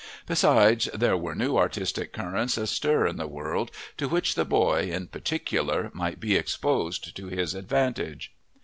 Besides, there were new artistic currents astir in the world to which the boy, in particular, might be exposed to his advantage.